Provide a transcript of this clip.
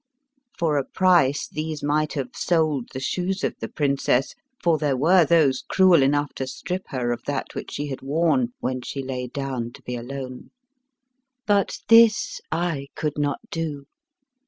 For a price these might have sold the shoes of the princess, for there were those cruel enough to strip her of that which she had worn when she lay down to be alone. But this I could not do.